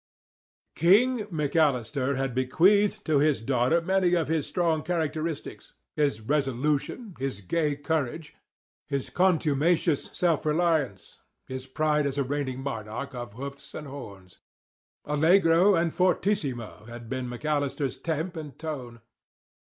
"King" McAllister had bequeathed to his daughter many of his strong characteristics—his resolution, his gay courage, his contumacious self reliance, his pride as a reigning monarch of hoofs and horns. Allegro and fortissimo had been McAllister's temp and tone.